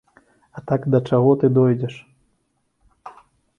А так да чаго ты дойдзеш?!